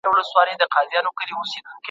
د ټولني افراد په یوه بادار عقیده لري.